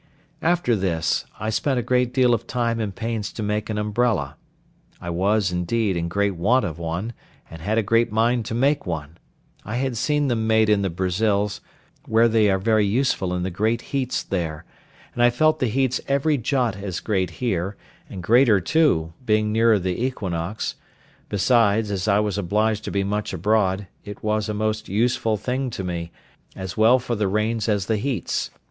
After this, I spent a great deal of time and pains to make an umbrella; I was, indeed, in great want of one, and had a great mind to make one; I had seen them made in the Brazils, where they are very useful in the great heats there, and I felt the heats every jot as great here, and greater too, being nearer the equinox; besides, as I was obliged to be much abroad, it was a most useful thing to me, as well for the rains as the heats.